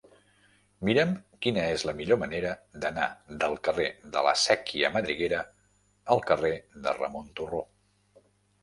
Mira'm quina és la millor manera d'anar del carrer de la Sèquia Madriguera al carrer de Ramon Turró.